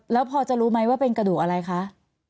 แล้วพอจะรู้ไหมว่าเป็นกระดูกอะไรคะ